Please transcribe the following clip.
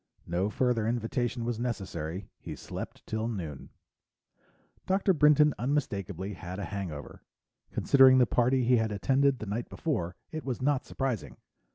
No further invitation was necessary; he slept till noon. Dr. Brinton unmistakably had a hangover. Considering the party he had attended the night before, it was not surprising.